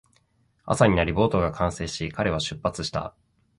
朝になり、ボートが完成し、彼は出発した